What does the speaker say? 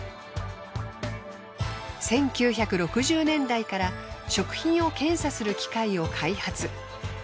１９６０年代から食品を検査する機械を開発。